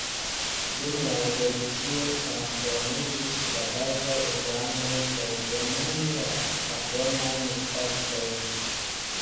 Dum la evolucio transformiĝis la bazaj organoj por plenumi la aldonajn taskojn.